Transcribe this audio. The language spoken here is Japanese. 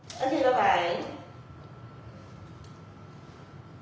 はい。